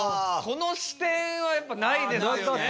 この視点はやっぱないですよね。